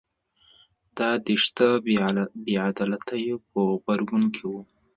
دا د شته بې عدالتیو په غبرګون کې و